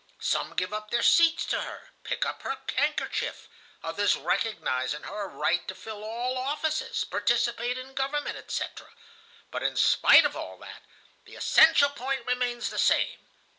Some give up their seats to her, pick up her handkerchief; others recognize in her a right to fill all offices, participate in government, etc., but, in spite of all that, the essential point remains the same.